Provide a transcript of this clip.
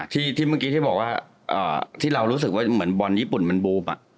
ที่เมื่อกี้ที่บอกว่าที่เรารู้สึกว่าเหมือนบอลญี่ปุ่นมันบูม